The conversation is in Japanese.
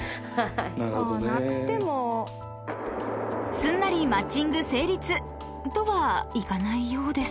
［すんなりマッチング成立とはいかないようです］